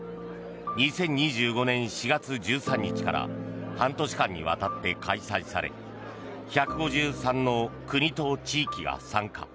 ２０２５年４月１３日から半年間にわたって開催され１５３の国と地域が参加。